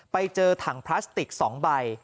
ไปเจอถังพลาสติก๒ใบ